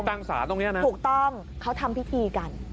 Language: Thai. ที่ตั้งสระตรงนี้นะถูกต้องเขาทำพิธีกัน